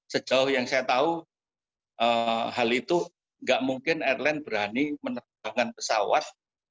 sejauh yang saya tahu hal itu tidak mungkin airline berani menerbangkan pesawat